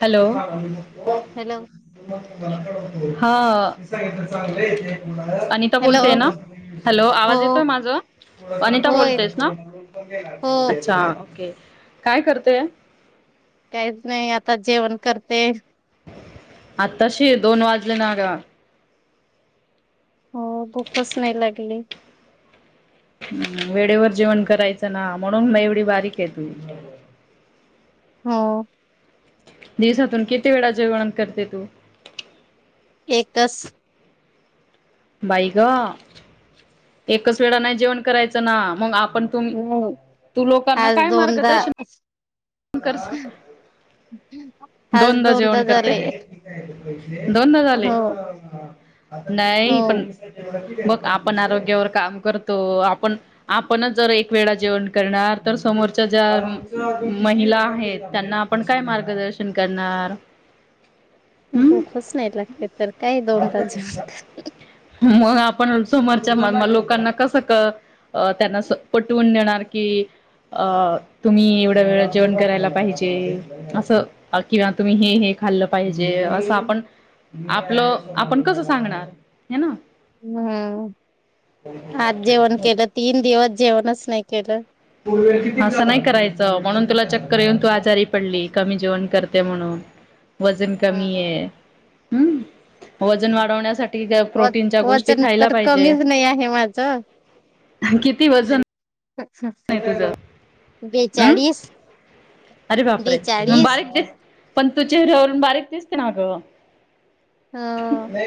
Hello hello हा Anita hello बोलते ना? हॅलो, हो आवाज येतोय माझा? अनिता हो बोलतेस येते ना. हो अच्छा, ओके काय करते? काहीच नाही आता जेवण करते. आताशी दोन वाजले ना गं हो भूकच नाही लागली. हम, वेळेवर जेवण करायचं ना म्हणून ना एवढी बारीक आहे तु हो.. दिवसातून किती वेळा जेवण करते तू? एकस बाई गं, एकच वेळा नाही जेवण करायचं ना मग आप पण तुम नाही तू लोकांना आज काय दोनदा मार्गदर्शन कर [unintelligible] दोनदा जेवण करते दोनदा झाले. हो हो नाही पण मग आपण आरोग्यावर काम करतो. आपण आपणच जर एक वेळा जेवण करणार तर- समोरच्या ज्या महिला आहेत त्यांना आपण काय मार्गदर्शन करनार. भूकच नाही लागली तर काय दोन तास. [unintelligible] पण समोरच्या माण लोकांना क कसं अं त्यांना पटवून देणार की अ तुम्ही एवढ्या वेळा जेवण करायला पाहिजे असं किंवा तुम्ही हे हे खाल्लं पाहिजे असं आपण- आपलं आपण कसं सांगणार हे ना- हम्म, आज जेवण केलं. तीन दिवस जेवणच नाही केलं. असं नाही करायचं म्हणून तुला चक्कर येऊन तू आजारी पडली कमी जेवण करत म्हणून वजन कमी हम्म आहे वजन वाढवण्यासाठी [unintelligible] वज- प्रोटीनच्या गोष्टी वजन खायला तर पाहिजे. कमीच नाही आहे माझ किती वजन? आहे तुझं अं बेचाळीस अरे बाप रे म बेचाळीस बारिक दिस पण तू चेहऱ्यावरून बारीक दिसते ना ग [unintelligible] हो ह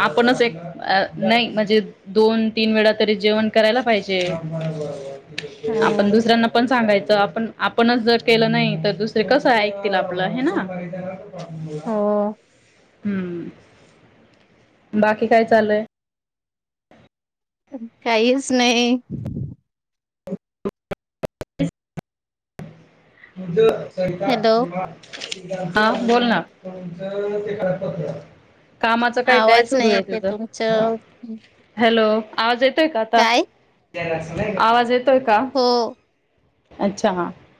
आपणच एक, नाही म्हणजे दोन दोन तीन वेळा तरी जेवण करायला पाहिजे हो आपण दुसऱ्यांना पण सांगायच तर आपण आपणच जर केलं नाही तर, दुसरे कसं ऐकतील आपलं. हे ना. हो [unintelligible] हम्म, बाकी काय चालूय. कााहीच नाही. तुज सरीता हॅलो शिवा [inaudible] हा बोल ना. कामाच काय काय आवाज सुरू नाही आहे येते तिचं तुमचं हॅलो- आवाज येतोय का आता? काय [unintelligible] आवाज येतोय का? हो अच्छा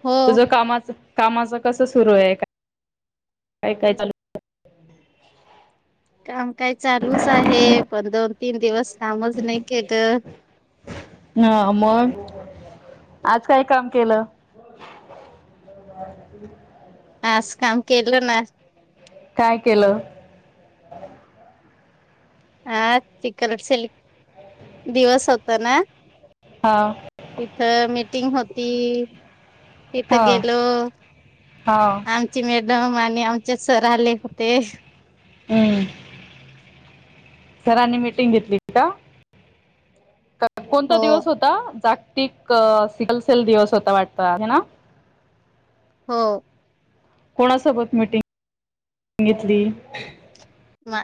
हो तुझ कामाच कामाच कस सुरू आहे का काय काय चालू [inaudible] काम काही चालूच आहे पण दोन, तीन दिवस कामच नाही केलं. हा मग आज काय काम केलं. [unintelligible] आज काम केलं ना- काय केलं? हा चिकल [inaudible] दिवस होता ना. हा तिथं मीटिंग होती. हा तिथं गेलो. हा आमची मे एकदम आणि आमचे सर आले होते. हम्म. सरांनी मीटिंग घेतली होती का कोणता हो दिवस होता. टिक सेल सेल दिवस होता वाटत हे ना हो. कोणासोबत मिटिंग [unintelligible] घेतली? मा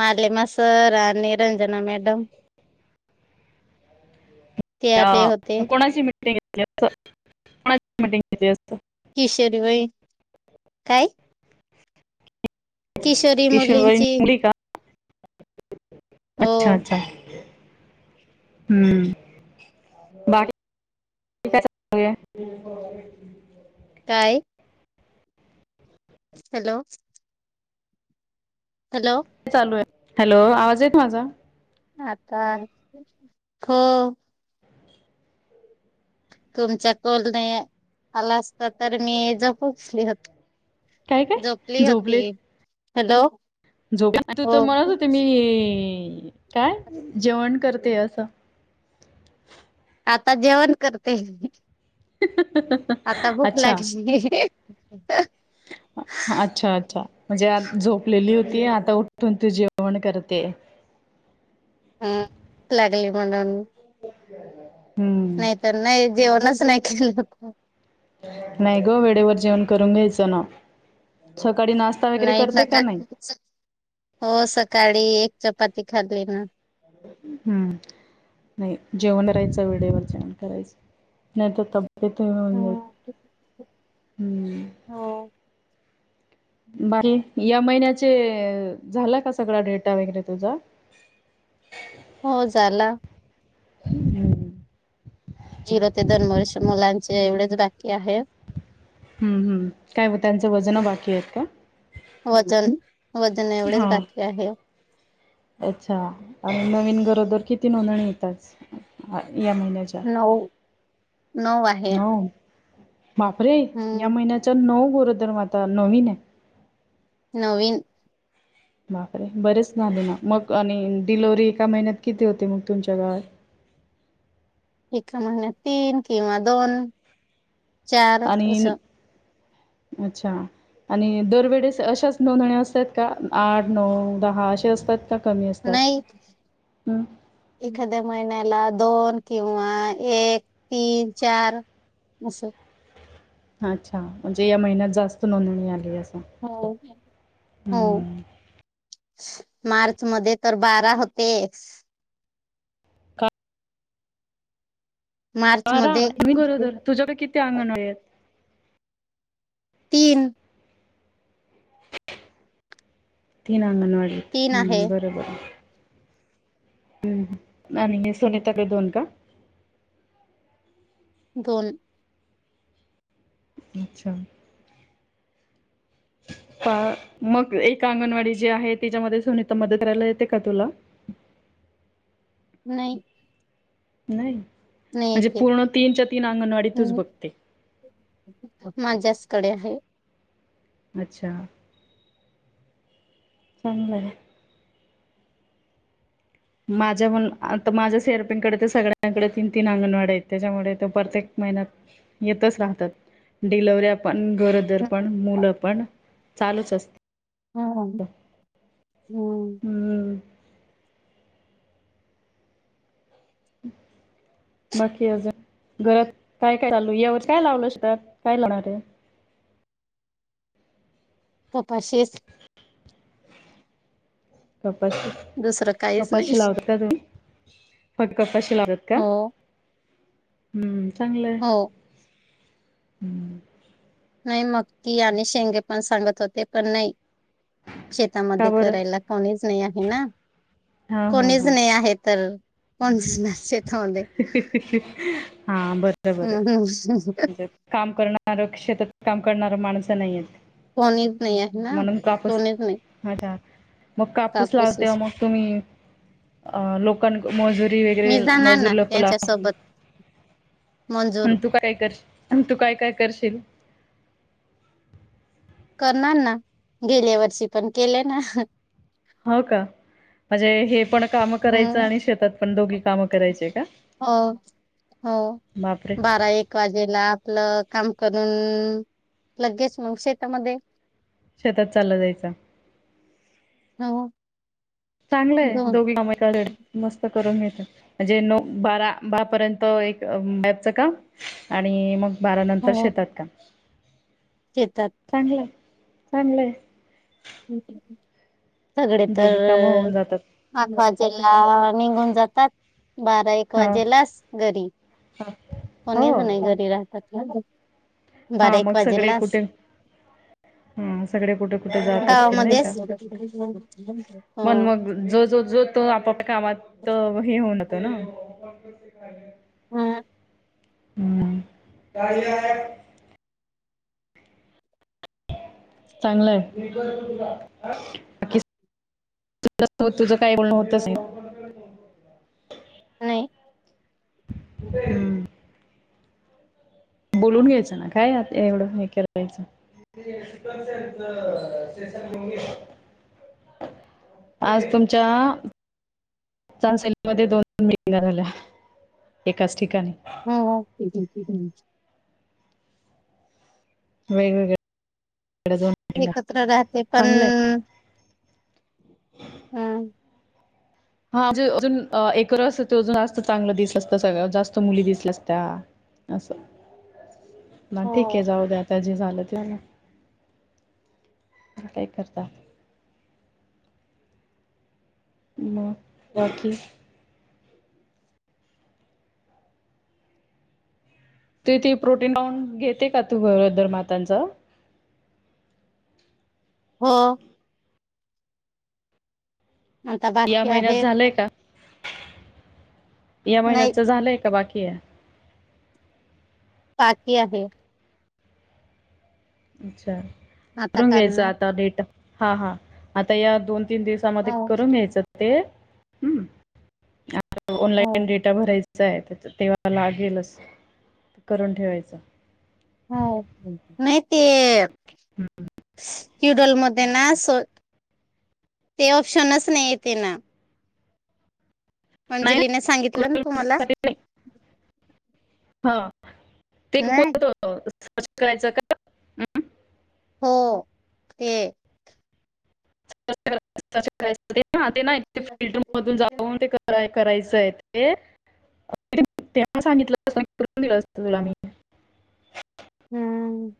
मालीमा सर आणि निरंजना मॅडम ते आले होते ह कोणाची मिटिंग घेतली असत कोणाची मिटिंग घेतली असत. किशोरी वयीन काय- किशोरी किशन वयीन मुलींची मुली का? हो अच्छा- अच्छा. हम्म बाकी- [inaudible] काय हॅलो! हॅलो, काय चालू आहे हॅलो, आवाज येत माझा? आता हो. तुमच्या कॉल नाही आला असत तर मी झोपूचं लागली होती. काय काय झोपली होती. झोपले हॅलो, झोप तू हो तर म्हणत होते मी काय जेवण कर ते असं? आता जेवण करते आता भूक अच्छा लागली. ह् [unintelligible] अच्छा अच्छा म्हणजे आता झोपलेली होती भूक आता उठू न तू जेवण करते. हम् भूक लागली म्हणून. ह् [unintelligible] नाही तर नाही जेवणच नाही केलं. नाही ग वेळेवर जेवण करून घ्यायचं ना. सकाळी नाश्ता वगैरे नाही करते का नाही सकाळी हो सकाळी एक चपाती खाल्ली ना. हम्म. नाही जेवण राहायचं वेळेवर जेवण करायचं नाही तर [unintelligible] हो बाकी या महिन्याचे झाला का सगळा डेटा वगैरे तुझा. [inaudible] हो झाला. हम. जीरते दरवर्षी मुलांचे एवढेच बाकी आहे. हम्म, हम्म, काय हो त्यांचं वजन बाकी आहे का? वजन. वजन हा, एवढेच बाकी आहे अच्छा आणि नवीन गरोद दर किती नोंदणी होतंच? या महिन्याच्या, नऊ नऊ आहे नऊ. बापरे या हम्म महिन्याचा नऊ गरोदर माता नवीन आहे. नवीन. बापरे! बरेच झाले ना मग आणि डिलवरी एका महिन्यात किती होते मग तुमच्या गावात. [inaudible] एका महिन्यात तीन किंवा दोन, चार आणि असं. अच्छा! आणि दरवेळेस अशाच नोंदणी असतात का आठ, नऊ, दहा असे असतात. का कमी असतात? नाही, हम्म एखाद्या महिन्याला. दोन किंवा एक, तीन, चार असं. अच्छा म्हणजे या महिन्यात जास्त नोंदणी आली आहे. हो, हो. मार्च मध्ये तर बारा होते. का मार्च बारा मध्ये मी गरोदर तुझ्याकडे किती अंगणवाड्या आहेत. तीन. तीन अंगणवाडीत, तीन हम आहे बरोबर. हम्म आणि सुनीताचे दोन का? दोन. अच्छा! [inaudible] मग एक अंगणवाडी जी आहे, तिच्यामध्ये सुनीता मदत करायला येते का तुला? [inaudible] नाही. नाही, नाही म्हणजे येते पूर्ण तीनच्या तीन अंगणवाडीतूच हम्म, बघते. माझ्याचकडे आहे. अच्छा! चांगलंय. माझ्या पण आता माझ्या सीआरपींकडे तर सगळ्यांकडे तीन तीन अंगणवाड्या आहेत त्याच्यामुळे ते प्रत्येक मेहनत, येतच राहतात डिलिवऱ्या पण गरोदर पण हम्म मुलं पण चालूच असत. हम्म हम्म. हम्म. [unintelligible] बाकी अजून, घरात काय काय चालू यावर काय लावल काय लावणार आहे? [inaudible] कपाशीच. कपाशी दुसरं काहीच नाही कपाशी लावता का तुम्ही पटकन कपाशी लावतात का हो हम्म चांगलय. हो हम्म नाही मक्की आणि शेंगे पण सांगत होते पण नाही. शेतामध्ये का बरं? करायला कोणीच नाही आहे ना हा हा कोणीच हा नाही आहे तर हा बरं बरं म्हणजे [unintelligible] काम करणार शेतात काम करणार माणसं नाहीयेत. कोणीच नाही आहे ना म्हणून कापूस कोणीच नाही. अच्छा मग कापूस लावते कापूसच मग तुम्ही अ लोकांन मी जाणार ना मजुर [unintelligible] त्यांच्यासोबत मंजूर आणि तू काय करशील, तू काय-काय करशील? करणार ना गेल्या वर्षी पण केले ना. हो का म्हणजे हे पण काम करायचं हम्म आणि शेतात पण दोघी काम करायचे का? हो हो बापरे बारा, एक वाजेला आपलं काम करून लगेच मग शेतामध्ये शेतात चालल जायच. हो. चांगलंय दोन दोघींना मस्त करून घतो म्हणजे नऊ, बारा ब पर्यंत एक बॅबच काम आणि मग बारानंतर हो शेतात काम. शेतात. चांगलंय चांगलंय सगळे दोघी तर कामं होऊन जातात अ त्याला निघून जातात. बारा, एक हा वाजेलाच घरी हा कोणीच हो नाही घरी राहतात. [inaudible] बारा हा मग एक सगळे कुठे वाजेलाच हा सगळे कुठे-कुठे जातात नाही का गावामध्येच हो पण मग जो जो जो तो आपापल्या कामात हे होतो. [inaudible] हम. हम्म. चांगलाय तुझ-तुझं काय बोलणं होतच नाही. नाही. हम. बोलून घ्यायचं ना काय आता एवढं हे करायचं. [inaudible] आज तुमच्या [unintelligible] [unintelligible] वेग-वेगळं. एकत्र राहते पण हां हा म्हणजे अजून एकत्र असत तर अजून जास्त चांगलं दिसलं असत सगळ्या जास्त मुली दिसल्या असत्या. असो. ना हो ठीक आहे जाऊ द्या आता जे झालं. काय करता? मग बाकी? ते तू प्रोटीन पाऊंड घेते का तू गरोदर मातांच? हो. आता या बाकी महिन्यात आहे झालंय का? या नाही महिन्याच झालंय का बाकी की हाये? बाकी आहे. अच्छा आता करून घ्यायच करणार आता डेट. हा हा आता या दोन तीन दिवसामध्ये हो करून घ्यायच ते, हो ऑनलाईन डेटा भरायचा त्या तेव्हा लागेलच करून ठेवायचं. हो. नाही ते क्युडल मध्ये ना असो ते ऑप्शनच नाही येते ना. नाही अंजलीने सांगितलं ना तुम्हाला? हां. ते नाही कोठत स् करायचं का? अं? हो. ते. कराय ना ते ना फिल्ट मधून जाऊन ते करायच. करायचं आहे ते, तेव्हा सांगितलं करून दिलं असत तुला मी. हम्म.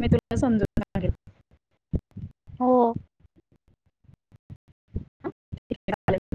मी तुला समजून सांगेल. हो. [unintelligible]